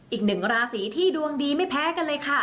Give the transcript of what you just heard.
อีกหนึ่งราศีที่ดวงดีไม่แพ้กันเลยค่ะ